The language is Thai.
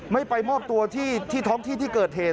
ไม่ไปมอบตัวที่ท้องที่ที่เกิดเหตุ